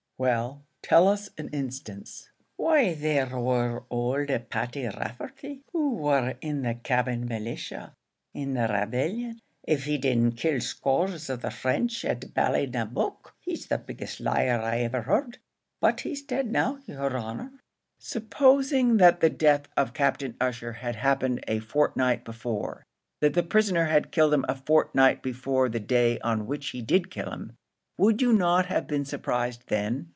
"Well, tell us an instance." "Why there war ould Paddy Rafferty, who war in the Cavan Militia in the Rabellion av he didn't kill scores of the French at Ballinamuck, he's the biggest liar I ever heard; but he's dead now, yer honour." "Supposing that the death of Captain Ussher had happened a fortnight before that the prisoner had killed him a fortnight before the day on which he did kill him, would you not have been surprised then?"